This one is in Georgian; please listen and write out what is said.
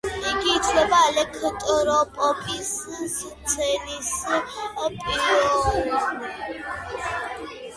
იგი ითვლება ელექტროპოპის სცენის პიონერად.